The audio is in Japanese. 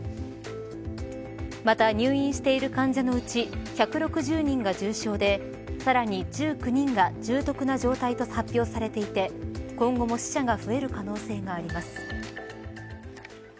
また入院している患者のうち１６０人が重症でさらに１９人が重篤な状態と発表されていて今後も死者が増える可能性があります。